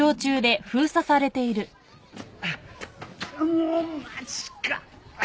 もうマジか！